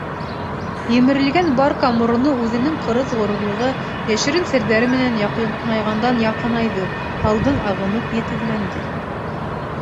«Емерелгән барка» мороно үҙенең ҡырыҫ ғорурлығы, йәшерен серҙәре менән яҡынайғандан-яҡынайҙы, һалдың ағымы етеҙләнде.